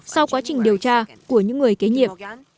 sau quá trình điều tra của những người kế nhiệm